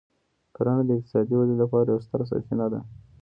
کرنه د اقتصادي ودې لپاره یوه ستره سرچینه ده.